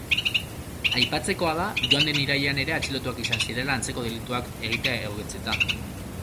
Aipatzekoa da joan den irailean ere atxilotuak izan zirela antzeko delituak egitea egotzita.